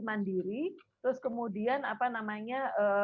mandiri terus kemudian apa namanya